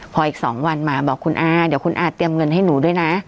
พออีก๒วันมาบอกคุณอาเดี๋ยวคุณอาเตรียมเงินให้หนูด้วยนะ